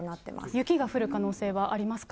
雪が降る可能性はありますか。